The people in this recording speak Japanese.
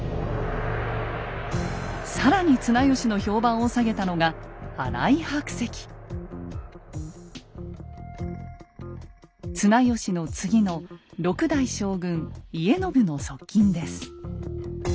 更に綱吉の評判を下げたのが綱吉の次の６代将軍家宣の側近です。